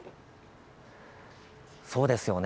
そうですよね。